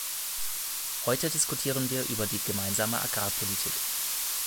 Heute diskutieren wir über die Gemeinsame Agrarpolitik.